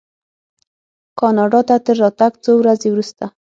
کاناډا ته تر راتګ څو ورځې وروسته.